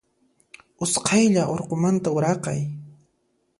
Usqaylla urqumanta uraqay.